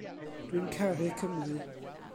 Dw i'n caru Cymru.